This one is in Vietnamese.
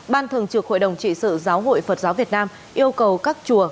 ban thường trực hội đồng trị sự giáo hội phật giáo việt nam yêu cầu các chùa